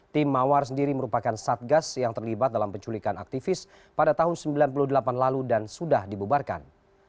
tim mawar sendiri merupakan satgas yang terlibat dalam penculikan aktivis pada tahun sembilan puluh delapan lalu dan sudah dibubarkan